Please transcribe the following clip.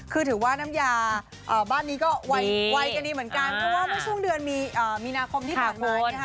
คือถือว่าน้ำยาบ้านนี้ก็ไวกันดีเหมือนกันเพราะว่าเมื่อช่วงเดือนมีนาคมที่ผ่านมานะคะ